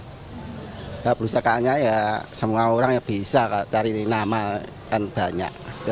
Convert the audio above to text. kalau belusakannya ya semua orang yang bisa kalau cari nama kan banyak